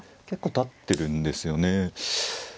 結構たってるんですよね。